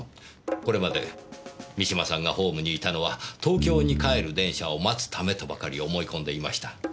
これまで三島さんがホームにいたのは東京に帰る電車を待つためとばかり思い込んでいました。